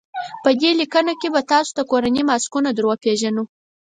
په دې لیکنه کې به تاسو ته کورني ماسکونه در وپېژنو.